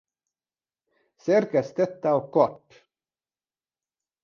Szerkesztette a Kath.